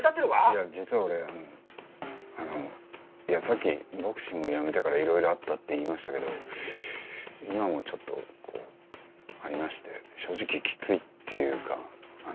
いや実は俺あのいやさっきボクシングをやめてからいろいろあったって言いましたけど今もちょっとありまして正直きついっていうか。